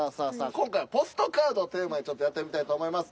今回はポストカードをテーマにちょっとやってみたいと思います。